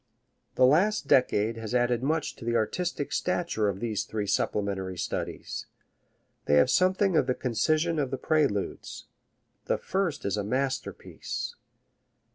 The last decade has added much to the artistic stature of these three supplementary studies. They have something of the concision of the Preludes. The first is a masterpiece.